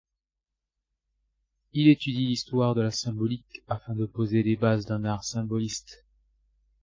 Il étudie l'histoire de la symbolique afin de poser les bases d'un art symboliste.